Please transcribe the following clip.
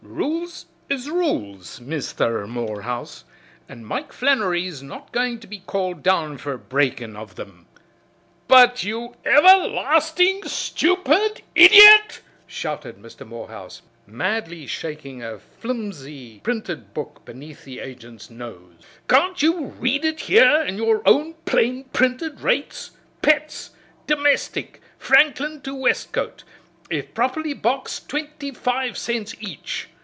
Rules is rules, Misther Morehouse, an' Mike Flannery's not goin' to be called down fer breakin' of thim." "But, you everlastingly stupid idiot!" shouted Mr. Morehouse, madly shaking a flimsy printed book beneath the agent's nose, "can't you read it here in your own plain printed rates? 'Pets, domestic, Franklin to Westcote, if properly boxed, twenty five cents each.'"